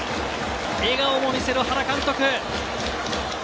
笑顔を見せる原監督。